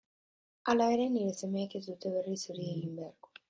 Hala ere, nire semeek ez dute berriz hori egin beharko.